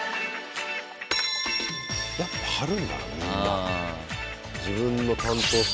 やっぱ貼るんだなみんな。